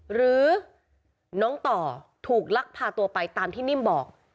หรือน้องต่อถูกลักพาตัวไปตามที่นิ่มบอก